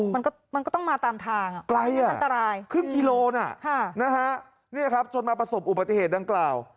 มันก็ต้องมาตามทางไกลอันตรายครึ่งกิโลนะจนมาประสบอุบัติเหตุดังกล่าว